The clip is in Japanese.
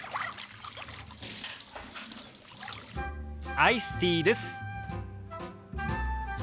アイスティーです。